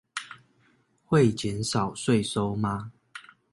會減少稅收嗎？